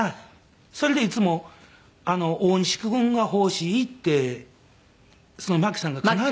それでいつも「大西君が欲しい」ってそのマキさんが必ず。